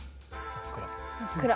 真っ暗。